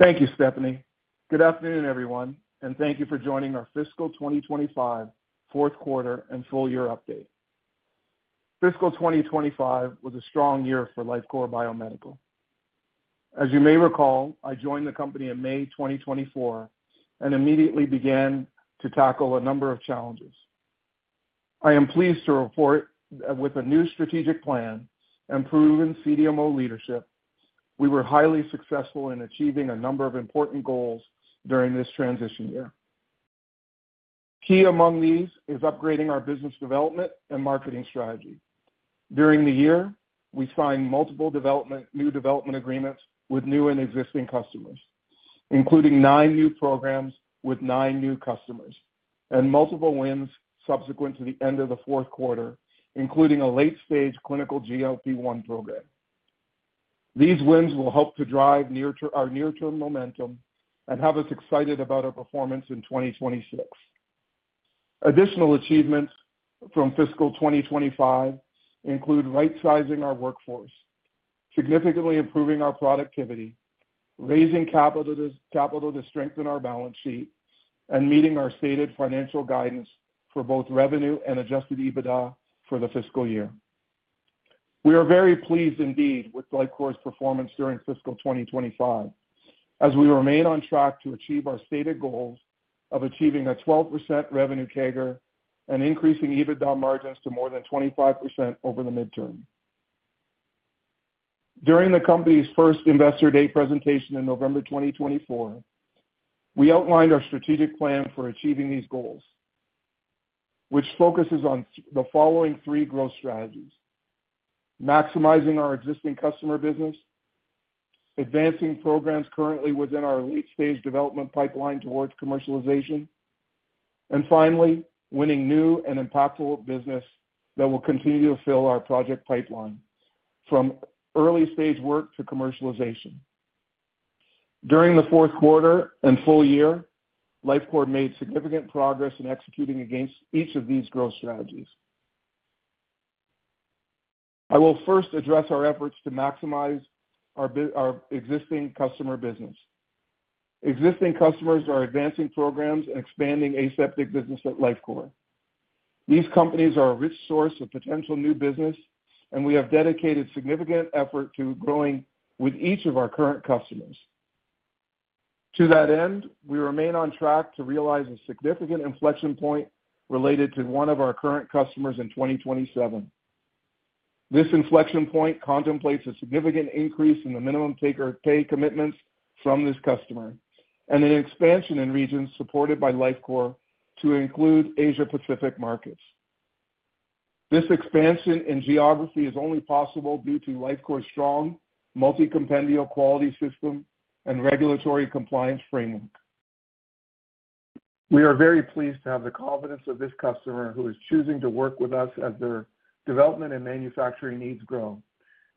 Thank you, Stephanie. Good afternoon, everyone, and thank you for joining our Fiscal 2025 Fourth Quarter and Full Year Update. Fiscal 2025 was a strong year for Lifecore Biomedical. As you may recall, I joined the company in May 2024 and immediately began to tackle a number of challenges. I am pleased to report that with a new strategic plan and proven CDMO leadership, we were highly successful in achieving a number of important goals during this transition year. Key among these is upgrading our business development and marketing strategy. During the year, we signed multiple new development agreements with new and existing customers, including nine new programs with nine new customers, and multiple wins subsequent to the end of the fourth quarter, including a late-stage clinical GLP-1 program. These wins will help to drive our near-term momentum and have us excited about our performance in 2026. Additional achievements from fiscal 2025 include right-sizing our workforce, significantly improving our productivity, raising capital to strengthen our balance sheet, and meeting our stated financial guidance for both revenue and adjusted EBITDA for the fiscal year. We are very pleased indeed with Lifecore's performance during fiscal 2025, as we remain on track to achieve our stated goals of achieving a 12% revenue CAGR and increasing EBITDA margins to more than 25% over the midterm during the company's first Investor Day presentation in November 2024. We outlined our strategic plan for achieving these goals, which focuses on the following three growth strategies: maximizing our existing customer business, advancing programs currently within our late-stage development pipeline towards commercialization, and finally, winning new and impactful business that will continue to fill our project pipeline from early-stage work to commercialization. During the fourth quarter and full year, Lifecore made significant progress in executing against each of these growth strategies. I will first address our efforts to maximize our existing customer business. Existing customers are advancing programs and expanding aseptic business at Lifecore. These companies are a rich source of potential new business, and we have dedicated significant effort to growing with each of our current customers. To that end, we remain on track to realize a significant inflection point related to one of our current customers in 2027. This inflection point contemplates a significant increase in the minimum taker pay commitments from this customer and an expansion in regions supported by Lifecore to include Asia-Pacific markets. This expansion in geography is only possible due to Lifecore's strong multi-compendial quality system and regulatory compliance framework. We are very pleased to have the confidence of this customer who is choosing to work with us as their development and manufacturing needs grow,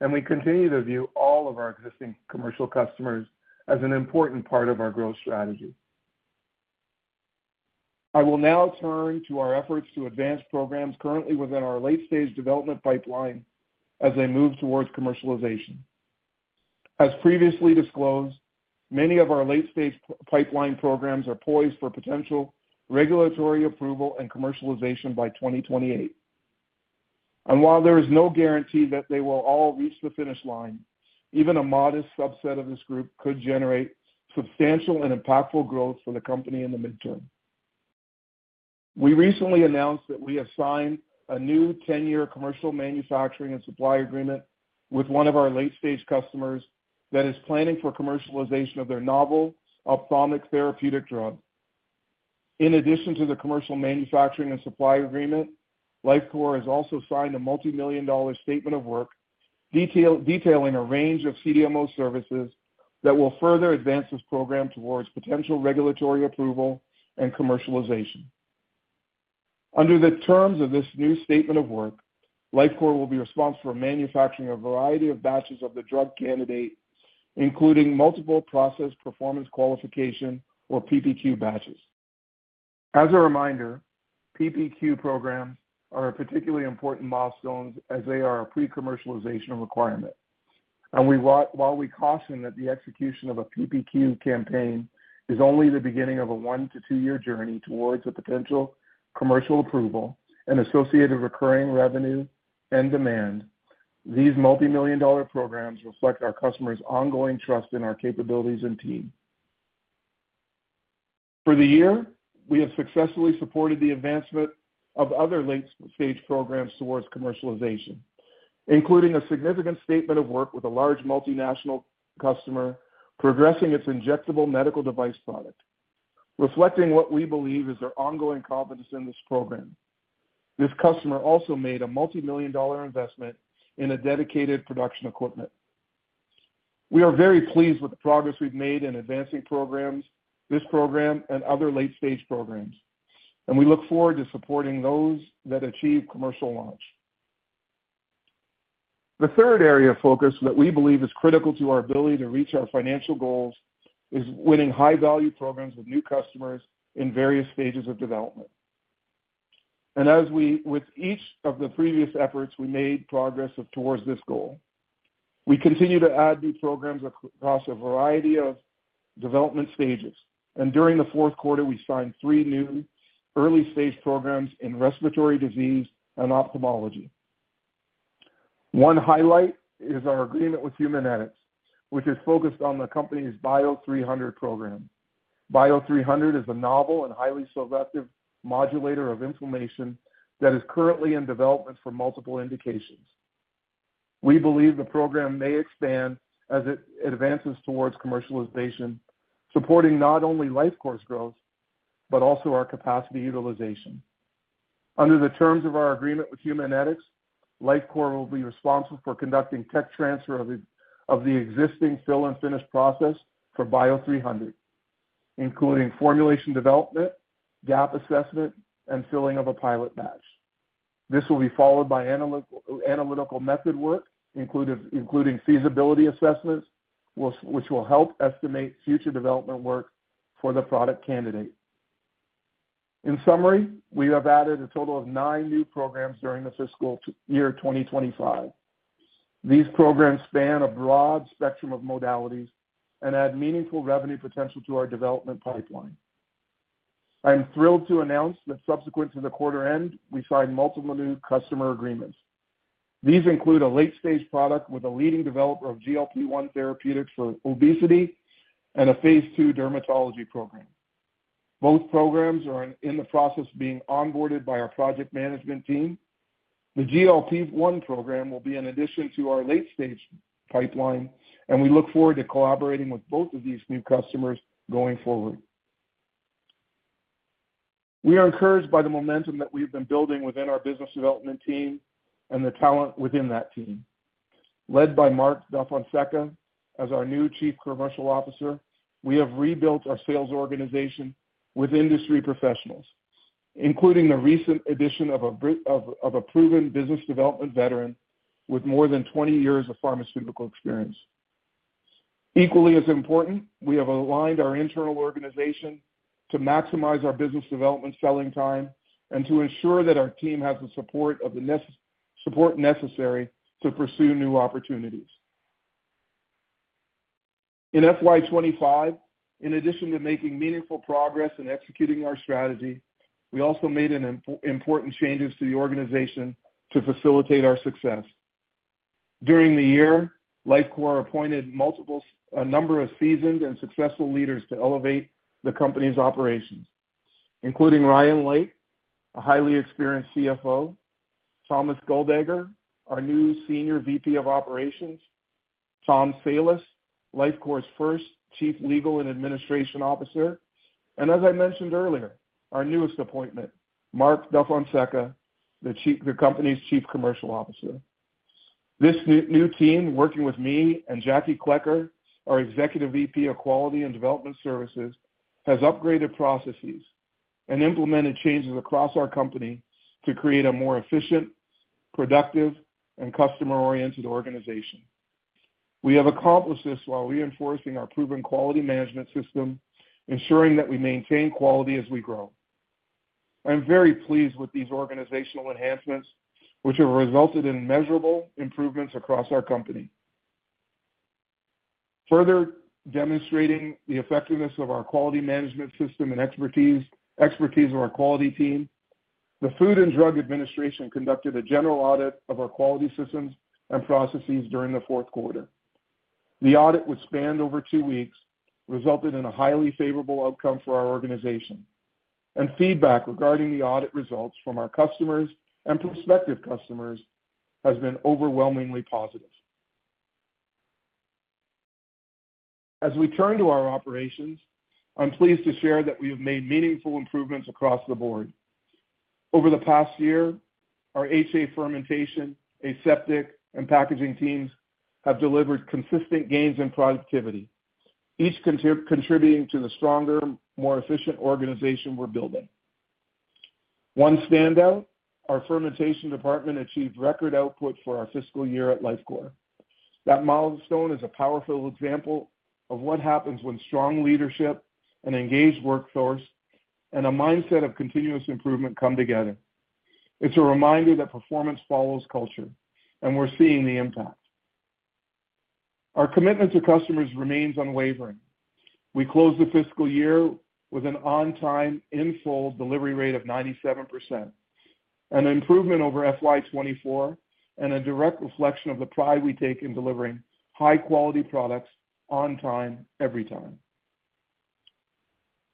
and we continue to view all of our existing commercial customers as an important part of our growth strategy. I will now turn to our efforts to advance programs currently within our late-stage development pipeline as they move towards commercialization. As previously disclosed, many of our late-stage pipeline programs are poised for potential regulatory approval and commercialization by 2028. While there is no guarantee that they will all reach the finish line, even a modest subset of this group could generate substantial and impactful growth for the company in the midterm. We recently announced that we have signed a new 10-year commercial manufacturing and supply agreement with one of our late-stage customers that is planning for commercialization of their novel ophthalmic therapeutic drug. In addition to the commercial manufacturing and supply agreement, Lifecore has also signed a multi-million dollar statement of work detailing a range of CDMO services that will further advance this program towards potential regulatory approval and commercialization. Under the terms of this new statement of work, Lifecore will be responsible for manufacturing a variety of batches of the drug candidate, including multiple process performance qualification or PPQ batches. As a reminder, PPQ programs are a particularly important milestone as they are a pre-commercialization requirement. While we caution that the execution of a PPQ campaign is only the beginning of a one to two-year journey towards a potential commercial approval and associated recurring revenue and demand, these multi-million dollar programs reflect our customers' ongoing trust in our capabilities and team. For the year, we have successfully supported the advancement of other late-stage programs towards commercialization, including a significant statement of work with a large multinational customer progressing its injectable medical device product, reflecting what we believe is their ongoing confidence in this program. This customer also made a multi-million dollar investment in dedicated production equipment. We are very pleased with the progress we've made in advancing programs, this program, and other late-stage programs, and we look forward to supporting those that achieve commercial launch. The third area of focus that we believe is critical to our ability to reach our financial goals is winning high-value programs with new customers in various stages of development. With each of the previous efforts, we made progress towards this goal. We continue to add new programs across a variety of development stages. During the fourth quarter, we signed three new early-stage programs in respiratory disease and ophthalmology. One highlight is our agreement with Humanetics, which is focused on the company's BIO 300 program. BIO 300 is a novel and highly selective modulator of inflammation that is currently in development for multiple indications. We believe the program may expand as it advances towards commercialization, supporting not only Lifecore's growth but also our capacity utilization. Under the terms of our agreement with Humanetics, Lifecore will be responsible for conducting tech transfer of the existing fill and finish process for BIO 300, including formulation development, gap assessment, and filling of a pilot batch. This will be followed by analytical method work, including feasibility assessments, which will help estimate future development work for the product candidate. In summary, we have added a total of nine new programs during the fiscal year 2025. These programs span a broad spectrum of modalities and add meaningful revenue potential to our development pipeline. I'm thrilled to announce that subsequent to the quarter end, we signed multiple new customer agreements. These include a late-stage product with a leading developer of GLP-1 therapeutics for obesity and a phase two dermatology program. Both programs are in the process of being onboarded by our project management team. The GLP-1 program will be in addition to our late-stage pipeline, and we look forward to collaborating with both of these new customers going forward. We are encouraged by the momentum that we've been building within our business development team and the talent within that team. Led by Mark DaFonseca as our new Chief Commercial Officer, we have rebuilt our sales organization with industry professionals, including the recent addition of a proven business development veteran with more than 20 years of pharmaceutical experience. Equally as important, we have aligned our internal organization to maximize our business development selling time and to ensure that our team has the support necessary to pursue new opportunities. In FY 2025, in addition to making meaningful progress in executing our strategy, we also made important changes to the organization to facilitate our success. During the year, Lifecore appointed a number of seasoned and successful leaders to elevate the company's operations, including Ryan Lake, a highly experienced CFO; Thomas Guldager, our new Senior VP of Operations; Tom Salus, Lifecore's first Chief Legal and Administration Officer; and as I mentioned earlier, our newest appointment, Mark DaFonseca, the company's Chief Commercial Officer. This new team, working with me and Jackie Klecker, our Executive VP of Quality and Development Services, has upgraded processes and implemented changes across our company to create a more efficient, productive, and customer-oriented organization. We have accomplished this while reinforcing our proven quality management system, ensuring that we maintain quality as we grow. I'm very pleased with these organizational enhancements, which have resulted in measurable improvements across our company. Further demonstrating the effectiveness of our quality management system and expertise of our quality team, the U.S. Food and Drug Administration conducted a general audit of our quality systems and processes during the fourth quarter. The audit, which spanned over two weeks, resulted in a highly favorable outcome for our organization, and feedback regarding the audit results from our customers and prospective customers has been overwhelmingly positive. As we turn to our operations, I'm pleased to share that we have made meaningful improvements across the board. Over the past year, our HA fermentation, aseptic, and packaging teams have delivered consistent gains in productivity, each contributing to the stronger, more efficient organization we're building. One standout: our fermentation department achieved record output for our fiscal year at Lifecore. That milestone is a powerful example of what happens when strong leadership, an engaged workforce, and a mindset of continuous improvement come together. It's a reminder that performance follows culture, and we're seeing the impact. Our commitment to customers remains unwavering. We closed the fiscal year with an on-time, in-full delivery rate of 97%, an improvement over FY 2024, and a direct reflection of the pride we take in delivering high-quality products on time, every time.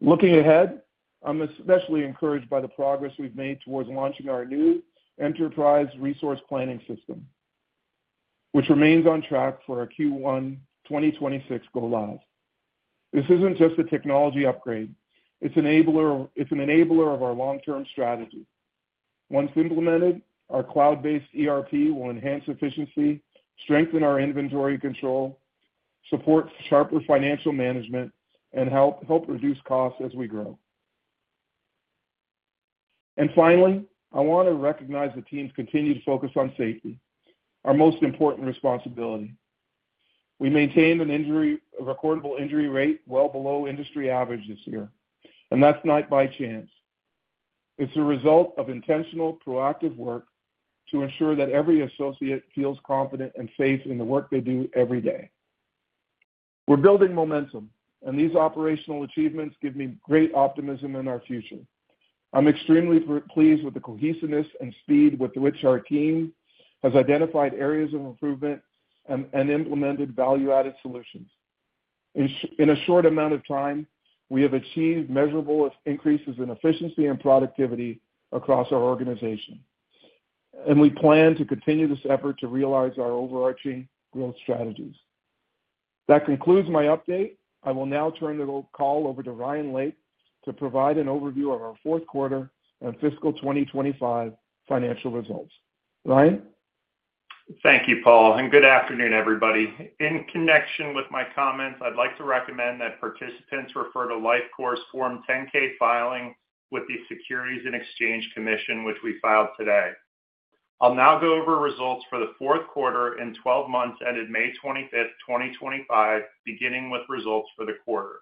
Looking ahead, I'm especially encouraged by the progress we've made towards launching our new enterprise resource planning system, which remains on track for our Q1 2026 go-live. This isn't just a technology upgrade; it's an enabler of our long-term strategy. Once implemented, our cloud-based ERP will enhance efficiency, strengthen our inventory control, support sharper financial management, and help reduce costs as we grow. Finally, I want to recognize the team's continued focus on safety, our most important responsibility. We maintained a recordable injury rate well below industry average this year, and that's not by chance. It's a result of intentional, proactive work to ensure that every associate feels confident and safe in the work they do every day. We're building momentum, and these operational achievements give me great optimism in our future. I'm extremely pleased with the cohesiveness and speed with which our team has identified areas of improvement and implemented value-added solutions. In a short amount of time, we have achieved measurable increases in efficiency and productivity across our organization, and we plan to continue this effort to realize our overarching growth strategies. That concludes my update. I will now turn the call over to Ryan Lake to provide an overview of our fourth quarter and fiscal 2025 financial results. Ryan. Thank you, Paul, and good afternoon, everybody. In connection with my comments, I'd like to recommend that participants refer to Lifecore's Form 10-K filing with the Securities and Exchange Commission, which we filed today. I'll now go over results for the fourth quarter and 12 months ended May 25th, 2025, beginning with results for the quarter.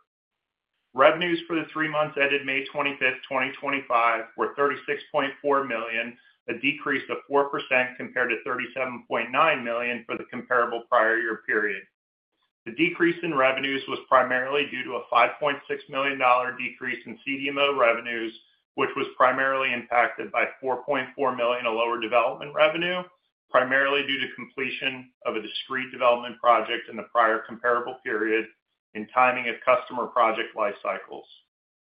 Revenues for the three months ended May 25th, 2025, were $36.4 million, a decrease of 4% compared to $37.9 million for the comparable prior year period. The decrease in revenues was primarily due to a $5.6 million decrease in CDMO revenues, which was primarily impacted by $4.4 million in lower development revenue, primarily due to completion of a discrete development project in the prior comparable period and timing of customer project life cycles.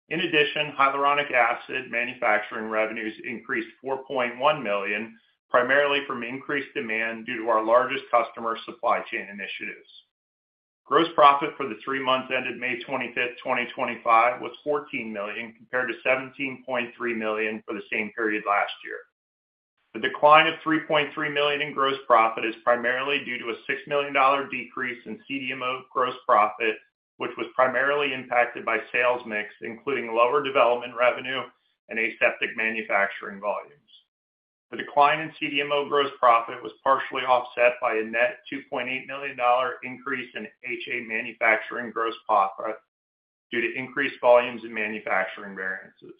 In addition, hyaluronic acid manufacturing revenues increased $4.1 million, primarily from increased demand due to our largest customer supply chain initiatives. Gross profit for the three months ended May 25th, 2025, was $14 million compared to $17.3 million for the same period last year. The decline of $3.3 million in gross profit is primarily due to a $6 million decrease in CDMO gross profit, which was primarily impacted by sales mix, including lower development revenue and aseptic manufacturing volumes. The decline in CDMO gross profit was partially offset by a net $2.8 million increase in HA manufacturing gross profit due to increased volumes and manufacturing variances.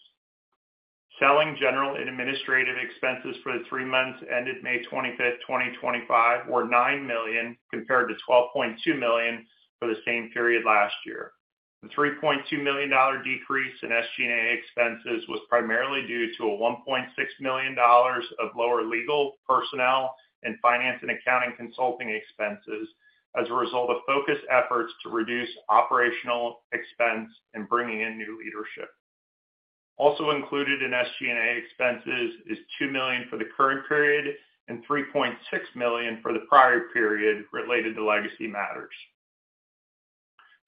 Selling, general, and administrative expenses for the three months ended May 25th, 2025, were $9 million compared to $12.2 million for the same period last year. The $3.2 million decrease in SG&A expenses was primarily due to $1.6 million of lower legal, personnel, and finance and accounting consulting expenses as a result of focused efforts to reduce operational expense and bringing in new leadership. Also included in SG&A expenses is $2 million for the current period and $3.6 million for the prior period related to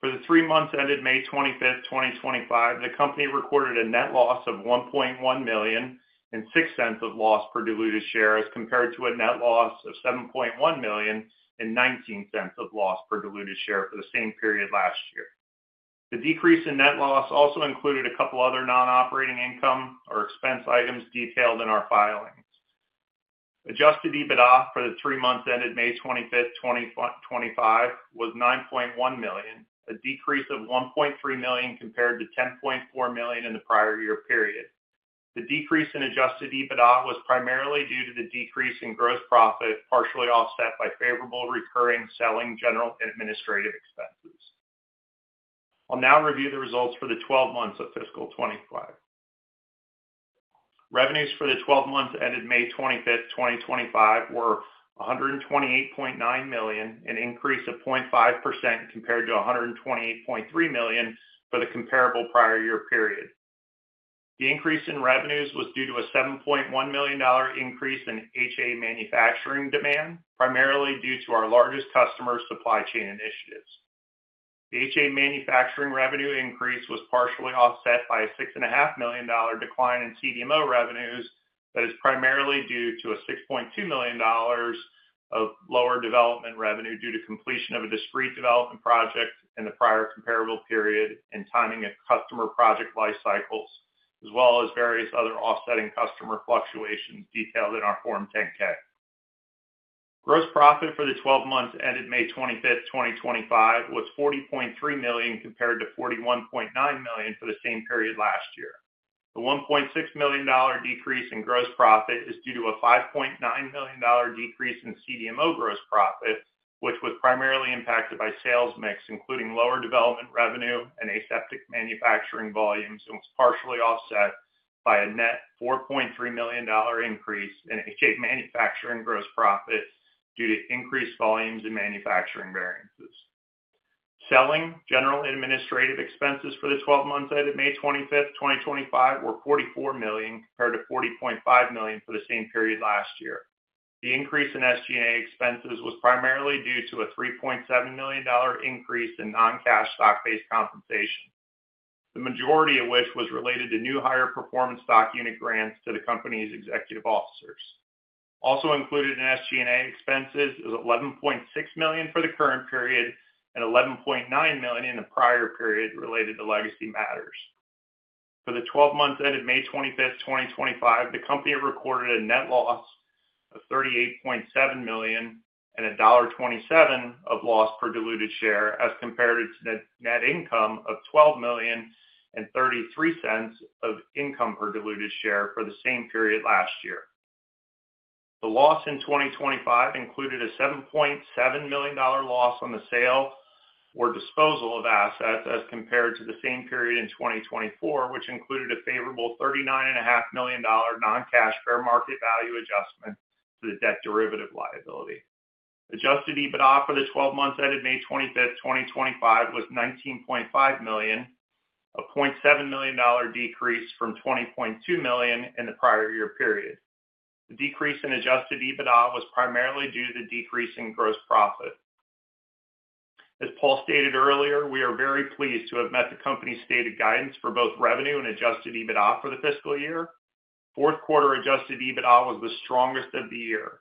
legacy matters. For the three months ended May 25th, 2025, the company recorded a net loss of $1.1 million and $0.06 of loss per diluted share as compared to a net loss of $7.1 million and $0.19 of loss per diluted share for the same period last year. The decrease in net loss also included a couple of other non-operating income or expense items detailed in our filings. Adjusted EBITDA for the three months ended May 25th, 2025, was $9.1 million, a decrease of $1.3 million compared to $10.4 million in the prior year period. The decrease in adjusted EBITDA was primarily due to the decrease in gross profit, partially offset by favorable recurring selling, general, and administrative expenses. I'll now review the results for the 12 months of fiscal 2025. Revenues for the 12 months ended May 25th, 2025, were $128.9 million, an increase of 0.5% compared to $128.3 million for the comparable prior year period. The increase in revenues was due to a $7.1 million increase in HA manufacturing demand, primarily due to our largest customer supply chain initiatives. The HA manufacturing revenue increase was partially offset by a $6.5 million decline in CDMO revenues, which is primarily due to $6.2 million of lower development revenue due to completion of a discrete development project in the prior comparable period and timing of customer project life cycles, as well as various other offsetting customer fluctuations detailed in our Form 10-K. Gross profit for the 12 months ended May 25th, 2025, was $40.3 million compared to $41.9 million for the same period last year. The $1.6 million decrease in gross profit is due to a $5.9 million decrease in CDMO gross profit, which was primarily impacted by sales mix, including lower development revenue and aseptic manufacturing volumes, and was partially offset by a net $4.3 million increase in HA manufacturing gross profit due to increased volumes and manufacturing variances. Selling, general, and administrative expenses for the 12 months ended May 25th, 2025, were $44 million compared to $40.5 million for the same period last year. The increase in SG&A expenses was primarily due to a $3.7 million increase in non-cash stock-based compensation, the majority of which was related to new higher performance stock unit grants to the company's executive officers. Also included in SG&A expenses is $11.6 million for the current period and $11.9 million in the prior period related to legacy matters. For the 12 months ended May 25th, 2025, the company recorded a net loss of $38.7 million and a $1.27 loss per diluted share as compared to net income of $12.33 per diluted share for the same period last year. The loss in 2025 included a $7.7 million loss on the sale or disposal of assets as compared to the same period in 2024, which included a favorable $39.5 million non-cash fair market value adjustment to the debt derivative liability. Adjusted EBITDA for the 12 months ended May 25th, 2025, was $19.5 million, a $0.7 million decrease from $20.2 million in the prior year period. The decrease in adjusted EBITDA was primarily due to the decrease in gross profit. As Paul stated earlier, we are very pleased to have met the company's stated guidance for both revenue and adjusted EBITDA for the fiscal year. Fourth quarter adjusted EBITDA was the strongest of the year.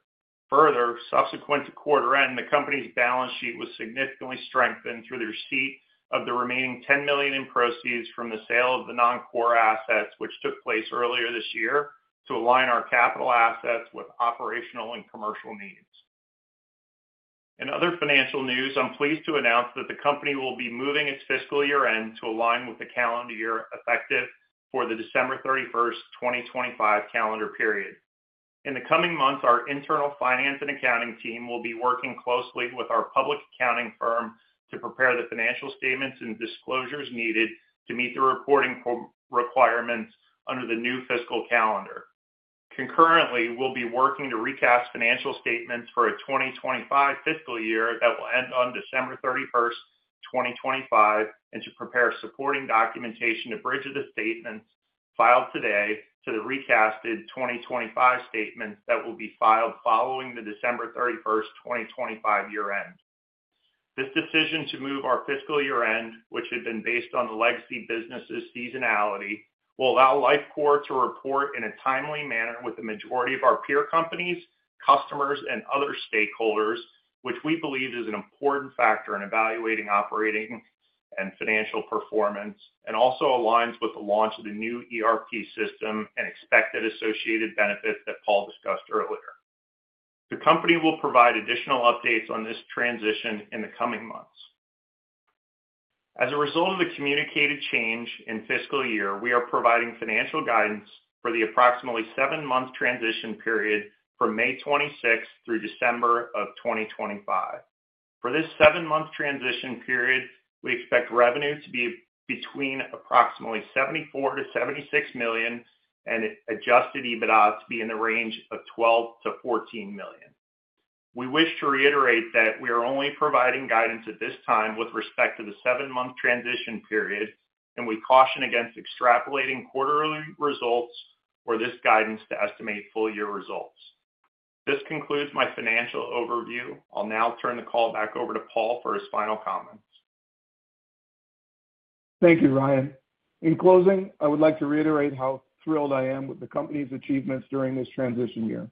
Further, subsequent to quarter end, the company's balance sheet was significantly strengthened through the receipt of the remaining $10 million in proceeds from the sale of the non-core assets, which took place earlier this year, to align our capital assets with operational and commercial needs. In other financial news, I'm pleased to announce that the company will be moving its fiscal year end to align with the calendar year effective for the December 31st, 2025 calendar period. In the coming months, our internal finance and accounting team will be working closely with our public accounting firm to prepare the financial statements and disclosures needed to meet the reporting requirements under the new fiscal calendar. Concurrently, we'll be working to recast financial statements for a 2025 fiscal year that will end on December 31st, 2025, and to prepare supporting documentation to bridge the statements filed today to the recasted 2025 statements that will be filed following the December 31st, 2025 year end. This decision to move our fiscal year end, which had been based on the legacy business's seasonality, will allow Lifecore to report in a timely manner with the majority of our peer companies, customers, and other stakeholders, which we believe is an important factor in evaluating operating and financial performance, and also aligns with the launch of the new ERP system and expected associated benefits that Paul discussed earlier. The company will provide additional updates on this transition in the coming months. As a result of the communicated change in fiscal year, we are providing financial guidance for the approximately seven-month transition period from May 26th through December of 2025. For this seven-month transition period, we expect revenue to be between approximately $74 million-$76 million and adjusted EBITDA to be in the range of $12 million-$14 million. We wish to reiterate that we are only providing guidance at this time with respect to the seven-month transition period, and we caution against extrapolating quarterly results or this guidance to estimate full-year results. This concludes my financial overview. I'll now turn the call back over to Paul for his final comments. Thank you, Ryan. In closing, I would like to reiterate how thrilled I am with the company's achievements during this transition year.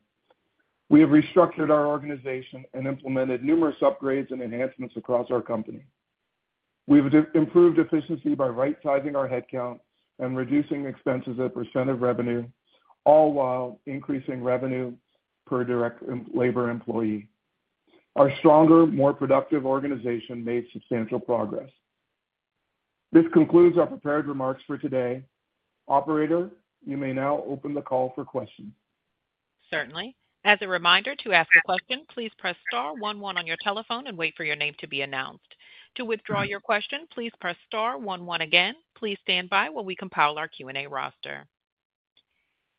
We have restructured our organization and implemented numerous upgrades and enhancements across our company. We've improved efficiency by right-sizing our headcount and reducing expenses as a % of revenue, all while increasing revenue per direct labor employee. Our stronger, more productive organization made substantial progress. This concludes our prepared remarks for today. Operator, you may now open the call for questions. Certainly. As a reminder, to ask a question, please press star one-one on your telephone and wait for your name to be announced. To withdraw your question, please press star one-one again. Please stand by while we compile our Q&A roster.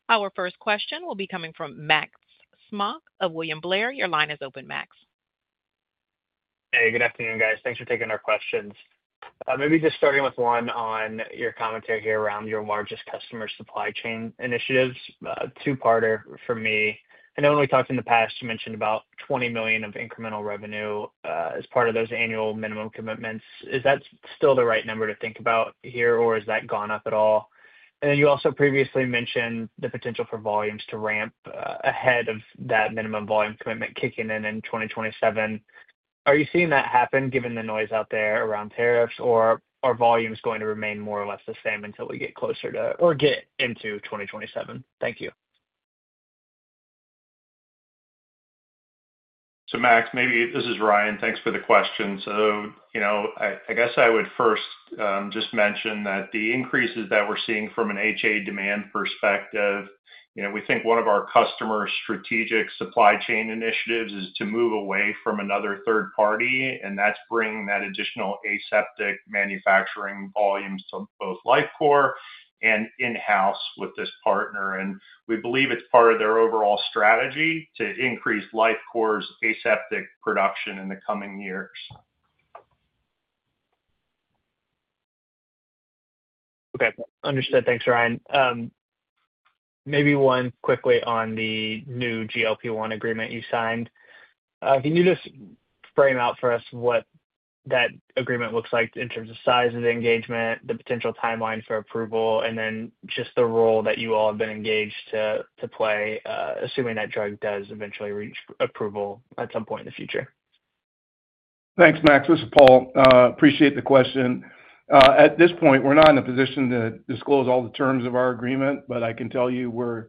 Our first question will be coming from Max Smock of William Blair. Your line is open, Max. Hey, good afternoon, guys. Thanks for taking our questions. Maybe just starting with one on your commentary here around your largest customer supply chain initiatives. Two-parter for me. I know when we talked in the past, you mentioned about $20 million of incremental revenue as part of those annual minimum commitments. Is that still the right number to think about here, or has that gone up at all? You also previously mentioned the potential for volumes to ramp ahead of that minimum volume commitment kicking in in 2027. Are you seeing that happen given the noise out there around tariffs, or are volumes going to remain more or less the same until we get closer to or get into 2027? Thank you. Max, maybe this is Ryan. Thanks for the question. I would first just mention that the increases that we're seeing from an HA demand perspective, we think one of our customers' strategic supply chain initiatives is to move away from another third party, and that's bringing that additional aseptic manufacturing volumes to both Lifecore and in-house with this partner. We believe it's part of their overall strategy to increase Lifecore's aseptic production in the coming years. Okay, understood. Thanks, Ryan. Maybe one quickly on the new GLP-1 agreement you signed. Can you just frame out for us what that agreement looks like in terms of size of the engagement, the potential timeline for approval, and then just the role that you all have been engaged to play, assuming that drug does eventually reach approval at some point in the future? Thanks, Max. This is Paul. Appreciate the question. At this point, we're not in a position to disclose all the terms of our agreement, but I can tell you we're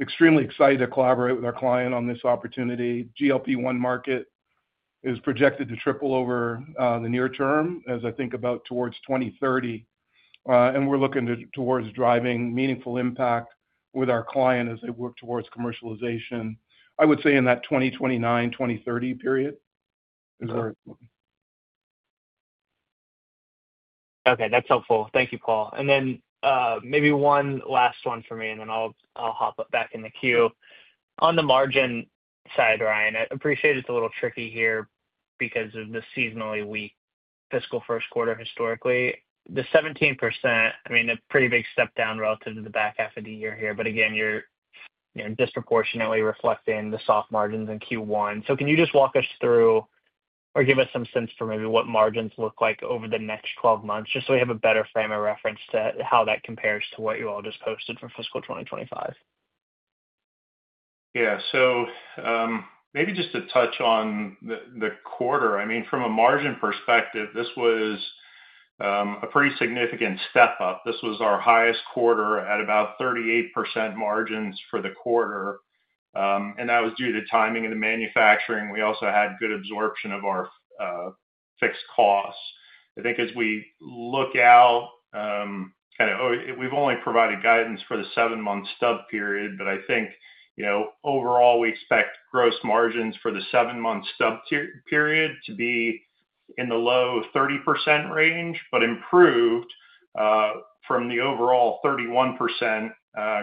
extremely excited to collaborate with our client on this opportunity. The GLP-1 market is projected to triple over the near term as I think about towards 2030, and we're looking towards driving meaningful impact with our client as they work towards commercialization. I would say in that 2029-2030 period. Okay, that's helpful. Thank you, Paul. Maybe one last one for me, and then I'll hop back in the queue. On the margin side, Ryan, I appreciate it's a little tricky here because of the seasonally weak fiscal first quarter historically. The 17%, I mean, a pretty big step down relative to the back half of the year here, but again, you're disproportionately reflecting the soft margins in Q1. Can you just walk us through or give us some sense for maybe what margins look like over the next 12 months, just so we have a better frame of reference to how that compares to what you all just posted for fiscal 2025? Yeah, so maybe just to touch on the quarter, I mean, from a margin perspective, this was a pretty significant step up. This was our highest quarter at about 38% margins for the quarter, and that was due to timing and the manufacturing. We also had good absorption of our fixed costs. I think as we look out, kind of we've only provided guidance for the seven-month stub period, but I think, you know, overall we expect gross margins for the seven-month stub period to be in the low 30% range, but improved from the overall 31%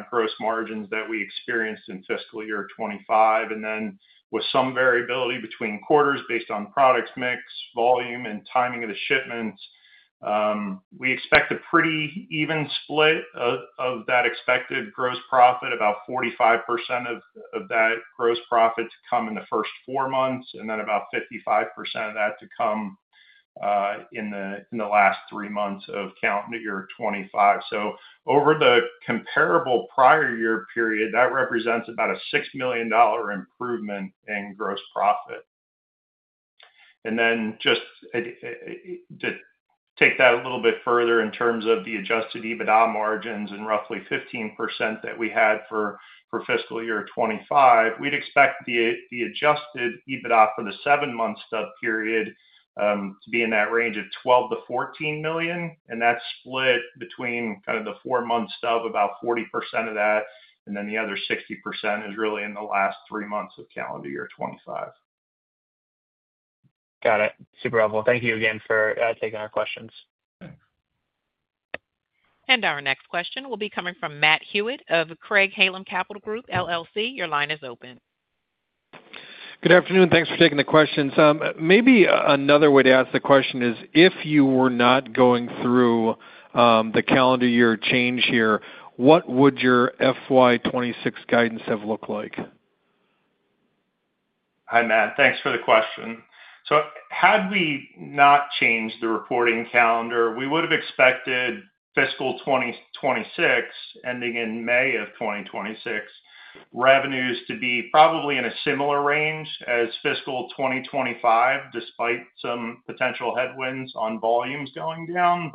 gross margins that we experienced in fiscal year 2025. There is some variability between quarters based on product mix, volume, and timing of the shipments. We expect a pretty even split of that expected gross profit, about 45% of that gross profit to come in the first four months, and then about 55% of that to come in the last three months of calendar year 2025. Over the comparable prior year period, that represents about a $6 million improvement in gross profit. Just to take that a little bit further in terms of the adjusted EBITDA margins and roughly 15% that we had for fiscal year 2025, we'd expect the adjusted EBITDA for the seven-month stub period to be in that range of $12 million-$14 million, and that's split between kind of the four-month stub, about 40% of that, and then the other 60% is really in the last three months of calendar year 2025. Got it. Super helpful. Thank you again for taking our questions. Our next question will be coming from Matt Hewitt of Craig-Hallum Capital Group, LLC. Your line is open. Good afternoon. Thanks for taking the questions. Maybe another way to ask the question is, if you were not going through the calendar year change here, what would your FY 2026 guidance have looked like? Hi, Matt. Thanks for the question. Had we not changed the reporting calendar, we would have expected fiscal 2026, ending in May 2026, revenues to be probably in a similar range as fiscal 2025, despite some potential headwinds on volumes going down.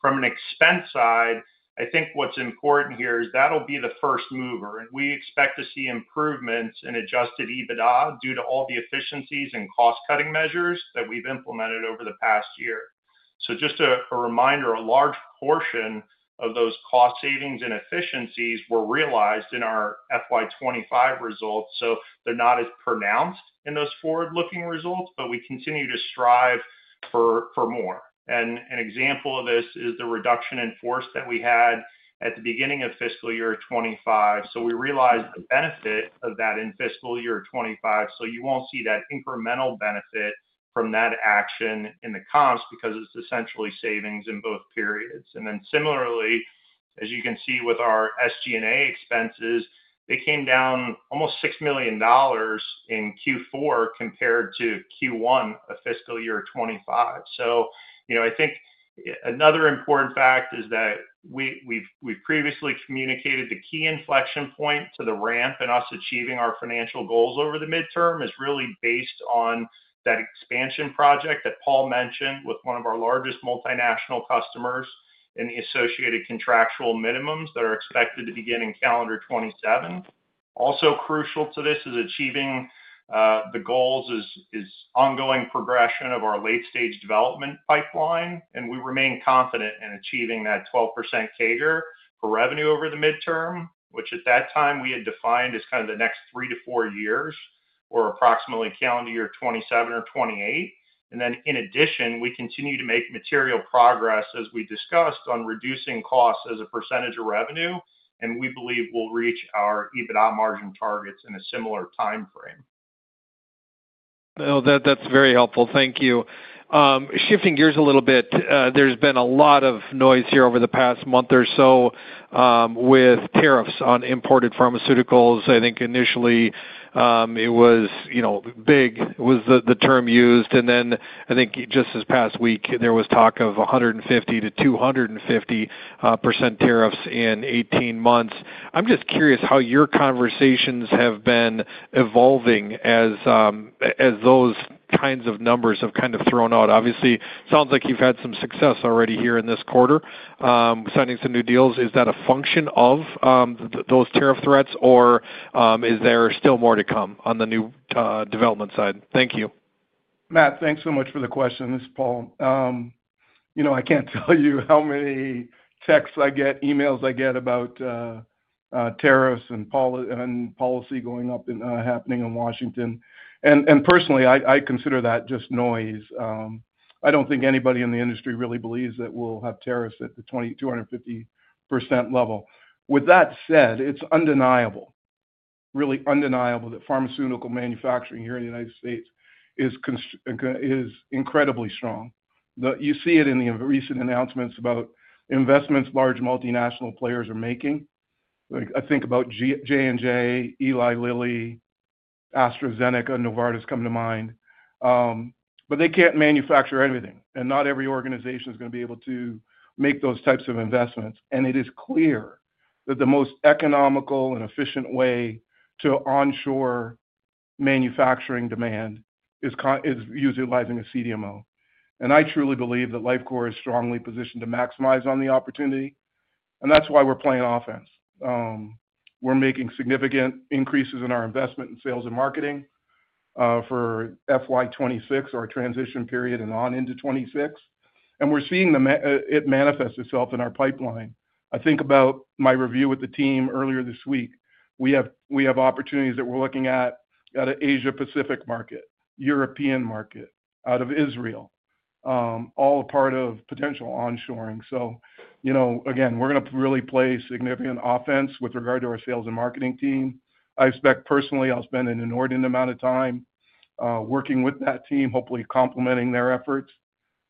From an expense side, I think what's important here is that'll be the first mover. We expect to see improvements in adjusted EBITDA due to all the efficiencies and cost-cutting measures that we've implemented over the past year. Just a reminder, a large portion of those cost savings and efficiencies were realized in our FY 2025 results. They're not as pronounced in those forward-looking results, but we continue to strive for more. An example of this is the reduction in force that we had at the beginning of fiscal year 2025. We realized the benefit of that in fiscal year 2025, so you won't see that incremental benefit from that action in the comps because it's essentially savings in both periods. Similarly, as you can see with our SG&A expenses, they came down almost $6 million in Q4 compared to Q1 of fiscal year 2025. I think another important fact is that we've previously communicated the key inflection point to the ramp in us achieving our financial goals over the midterm is really based on that expansion project that Paul mentioned with one of our largest multinational customers and the associated contractual minimums that are expected to begin in calendar 2027. Also crucial to achieving these goals is ongoing progression of our late-stage development pipeline, and we remain confident in achieving that 12% CAGR for revenue over the midterm, which at that time we had defined as kind of the next three to four years or approximately calendar year 2027 or 2028. In addition, we continue to make material progress as we discussed on reducing costs as a percentage of revenue, and we believe we'll reach our EBITDA margin targets in a similar timeframe. Thank you. Shifting gears a little bit, there's been a lot of noise here over the past month or so with tariffs on imported pharmaceuticals. I think initially it was, you know, big was the term used, and then I think just this past week there was talk of 150%-250% tariffs in 18 months. I'm just curious how your conversations have been evolving as those kinds of numbers have kind of been thrown out. Obviously, it sounds like you've had some success already here in this quarter signing some new deals. Is that a function of those tariff threats, or is there still more to come on the new development side? Thank you. Matt, thanks so much for the question. This is Paul. I can't tell you how many texts I get, emails I get about tariffs and policy going up and happening in Washington. Personally, I consider that just noise. I don't think anybody in the industry really believes that we'll have tariffs at the 250% level. With that said, it's undeniable, really undeniable that pharmaceutical manufacturing here in the United States is incredibly strong. You see it in the recent announcements about investments large multinational players are making. I think about J&J, Eli Lilly, AstraZeneca, Novartis come to mind. They can't manufacture anything, and not every organization is going to be able to make those types of investments. It is clear that the most economical and efficient way to onshore manufacturing demand is utilizing a CDMO. I truly believe that Lifecore is strongly positioned to maximize on the opportunity, and that's why we're playing offense. We're making significant increases in our investment in sales and marketing for FY 2026, our transition period and on into 2026, and we're seeing it manifest itself in our pipeline. I think about my review with the team earlier this week. We have opportunities that we're looking at out of Asia-Pacific market, European market, out of Israel, all a part of potential onshoring. Again, we're going to really play a significant offense with regard to our sales and marketing team. I expect personally I'll spend an inordinate amount of time working with that team, hopefully complementing their efforts,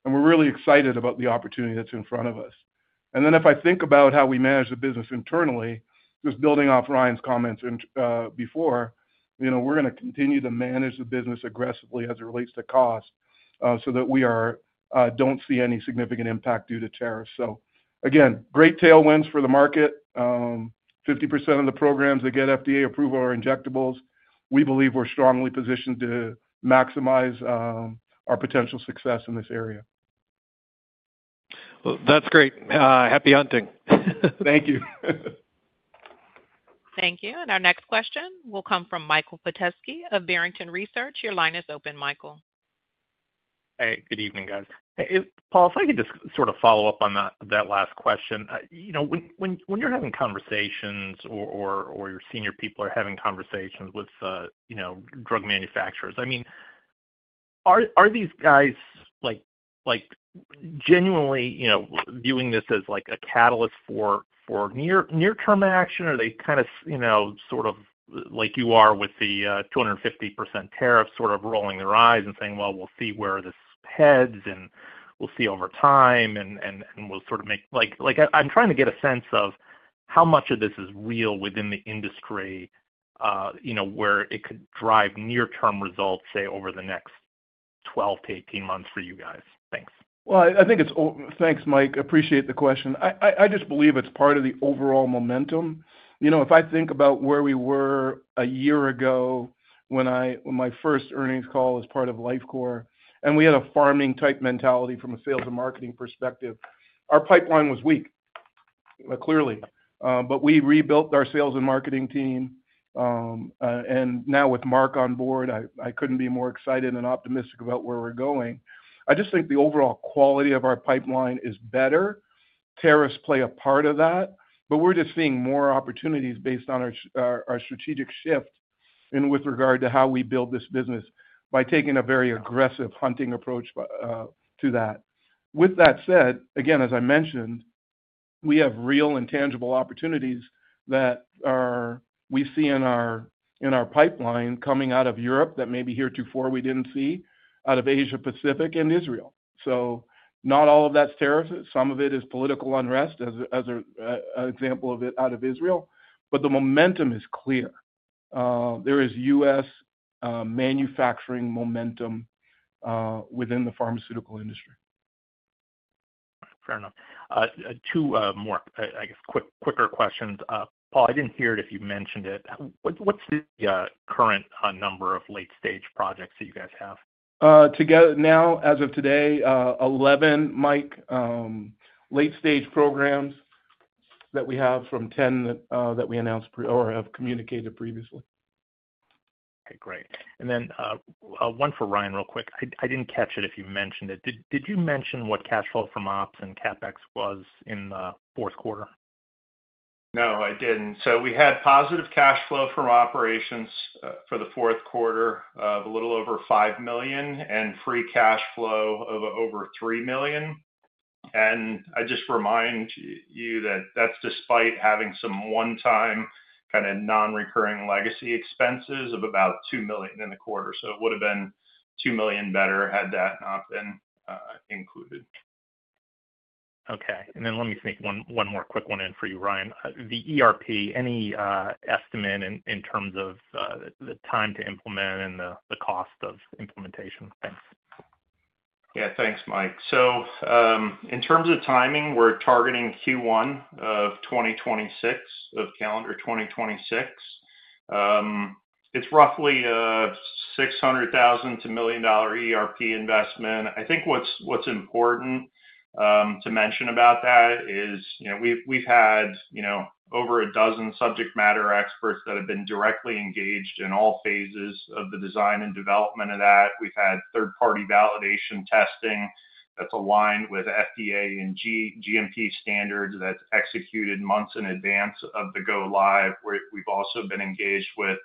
and we're really excited about the opportunity that's in front of us. If I think about how we manage the business internally, just building off Ryan's comments before, we're going to continue to manage the business aggressively as it relates to cost so that we don't see any significant impact due to tariffs. Again, great tailwinds for the market. 50% of the programs that get FDA approval are injectables. We believe we're strongly positioned to maximize our potential success in this area. That's great. Happy hunting. Thank you. Thank you. Our next question will come from Michael Petusky of Barrington Research. Your line is open, Michael. Hey, good evening, guys. Hey, Paul, if I could just sort of follow up on that last question. When you're having conversations or your senior people are having conversations with drug manufacturers, are these guys genuinely viewing this as a catalyst for near-term action? Are they kind of, like you are with the 250% tariff, rolling their eyes and saying, we'll see where this heads and we'll see over time and we'll sort of make, like, I'm trying to get a sense of how much of this is real within the industry, where it could drive near-term results, say, over the next 12-18 months for you guys. Thanks. Thank you, Mike. Appreciate the question. I just believe it's part of the overall momentum. If I think about where we were a year ago when my first earnings call as part of Lifecore, and we had a farming type mentality from a sales and marketing perspective, our pipeline was weak, clearly, but we rebuilt our sales and marketing team. Now with Mark on board, I couldn't be more excited and optimistic about where we're going. I just think the overall quality of our pipeline is better. Tariffs play a part of that, but we're just seeing more opportunities based on our strategic shift and with regard to how we build this business by taking a very aggressive hunting approach to that. With that said, as I mentioned, we have real and tangible opportunities that we see in our pipeline coming out of Europe that maybe heretofore we didn't see out of Asia-Pacific and Israel. Not all of that's tariffs. Some of it is political unrest as an example of it out of Israel, but the momentum is clear. There is U.S. manufacturing momentum within the pharmaceutical industry. Fair enough. Two more, I guess, quicker questions. Paul, I didn't hear it if you mentioned it. What's the current number of late-stage projects that you guys have? Together now, as of today, 11, Mike, late-stage pipeline programs that we have from 10 that we announced or have communicated previously. Okay, great. One for Ryan real quick. I didn't catch it if you mentioned it. Did you mention what cash flow from ops and CapEx was in the fourth quarter? No, I didn't. We had positive cash flow from operations for the fourth quarter of a little over $5 million and free cash flow of over $3 million. I just remind you that that's despite having some one-time kind of non-recurring legacy expenses of about $2 million in the quarter. It would have been $2 million better had that not been included. Okay. Let me sneak one more quick one in for you, Ryan. The ERP, any estimate in terms of the time to implement and the cost of implementation? Thanks. Yeah, thanks, Mike. In terms of timing, we're targeting Q1 of 2026, of calendar 2026. It's roughly a $600,000-$1 million ERP investment. I think what's important to mention about that is we've had over a dozen subject matter experts that have been directly engaged in all phases of the design and development of that. We've had third-party validation testing that's aligned with FDA and GMP standards that's executed months in advance of the go live. We've also been engaged with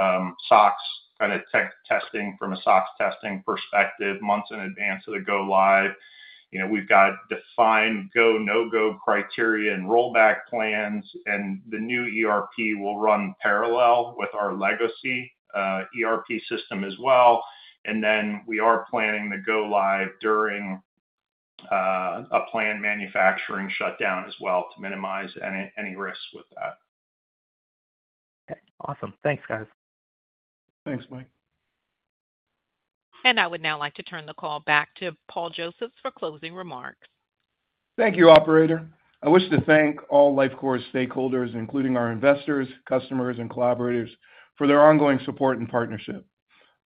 SOCs testing from a SOCs testing perspective months in advance of the go live. We've got defined go-no-go criteria and rollback plans, and the new ERP will run parallel with our legacy ERP system as well. We are planning the go live during a planned manufacturing shutdown as well to minimize any risks with that. Okay, awesome. Thanks, guys. Thanks, Mike. I would now like to turn the call back to Paul Josephs for closing remarks. Thank you, Operator. I wish to thank all Lifecore stakeholders, including our investors, customers, and collaborators for their ongoing support and partnership.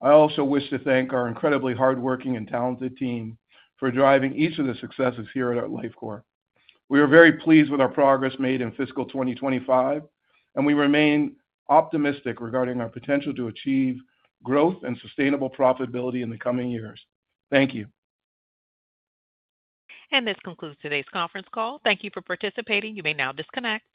I also wish to thank our incredibly hardworking and talented team for driving each of the successes here at Lifecore. We are very pleased with our progress made in fiscal 2025, and we remain optimistic regarding our potential to achieve growth and sustainable profitability in the coming years. Thank you. This concludes today's conference call. Thank you for participating. You may now disconnect.